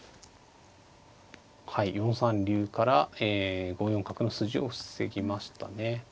はい４三竜から５四角の筋を防ぎましたね。